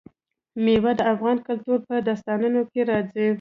مېوې د افغان کلتور په داستانونو کې راځي.